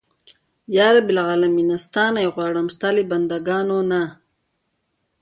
یا رب العالمینه ستا نه یې غواړم ستا له بنده ګانو نه.